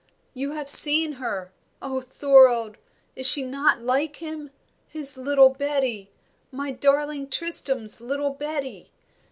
"You have seen her! Oh, Thorold, is she not like him? His little Betty! My darling Tristram's little Betty!"